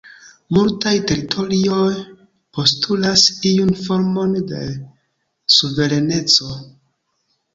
Multaj teritorioj postulas iun formon de suvereneco.